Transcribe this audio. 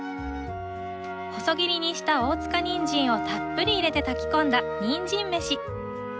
細切りにした大塚にんじんをたっぷり入れて炊き込んだ「にんじん飯」。